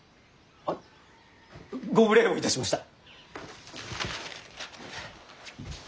あっご無礼をいたしました。